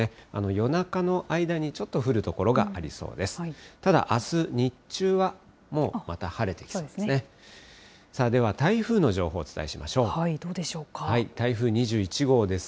夜中の間にちょっと降る所がありそうです。